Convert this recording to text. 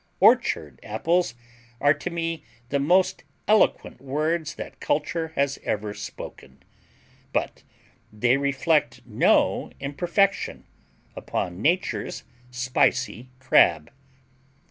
Orchard apples are to me the most eloquent words that culture has ever spoken, but they reflect no imperfection upon Nature's spicy crab.